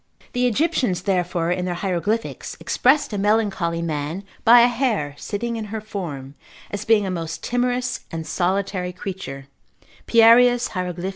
The Egyptians therefore in their hieroglyphics expressed a melancholy man by a hare sitting in her form, as being a most timorous and solitary creature, Pierius Hieroglyph.